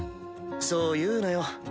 そう言うなよ。